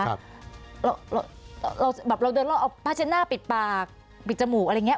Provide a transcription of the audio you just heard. เราแบบเราเดินรอบเอาผ้าเช็ดหน้าปิดปากปิดจมูกอะไรอย่างนี้